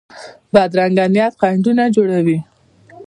بدرنګه نیت خنډونه جوړوي